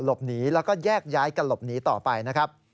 หลบหนีแล้วก็แยกย้ายกันหลบหนีต่อไปนะครับ